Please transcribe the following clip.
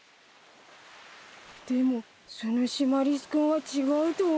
でもそのシマリス君は違うと思う。